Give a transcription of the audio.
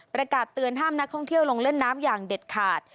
ประกาศเตือนห้ามนักท่องเที่ยวลงเล่นน้ำอย่างเด็ดขาด